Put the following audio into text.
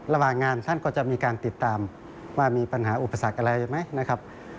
ระหว่างงานท่านก็จะมีการติดตามว่ามีปัญหาอุปสรรคอะไรไหมนะครับ